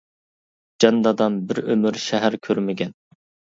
جان دادام بىر ئۆمۈر شەھەر كۆرمىگەن.